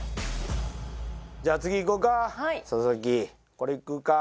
じゃあ次いこか笹崎これいくか。